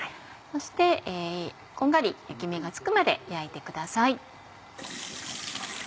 そしてこんがり焼き目がつくまで焼いてください。